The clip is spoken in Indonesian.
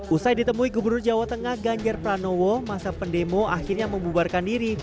usai ditemui gubernur jawa tengah ganjar pranowo masa pendemo akhirnya membubarkan diri